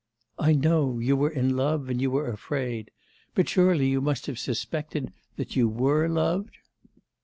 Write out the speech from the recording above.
'I know; you were in love, and you were afraid. But surely you must have suspected that you were loved?